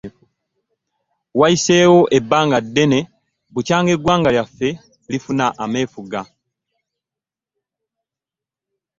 Wayiseewo ebanga ddene bukyanga eggwanga lyaffe lifuna mefugga.